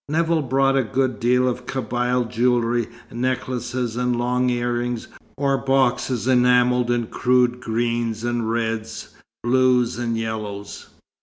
Nevill bought a good deal of Kabyle jewellery, necklaces and long earrings, or boxes enamelled in crude greens and reds, blues and yellows.